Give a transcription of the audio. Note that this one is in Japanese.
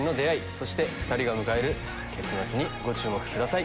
そして２人が迎える結末にご注目ください。